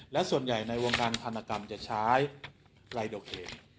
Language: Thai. และส่วนใหญ่ในวงการธรรมกรรมจะใช้ไลโดเคนนะครับซึ่งตรวจไม่พบจากผลของรามาครับ